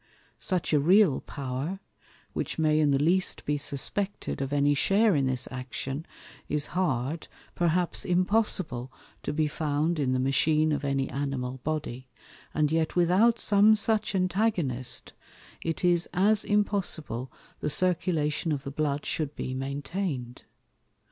Such a real Power (which may in the least be suspected of any share in this Action) is hard, perhaps impossible to be found in the Machine of any Animal Body; and yet without some such Antagonist, it is as impossible the Circulation of the Blood should be maintain'd.